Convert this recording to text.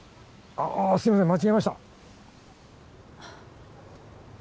ああっすいません間違えましたあっ